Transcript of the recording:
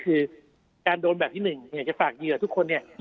คือการโดนแบบที่หนึ่งอยากจะฝากเหยื่อทุกคนเนี่ย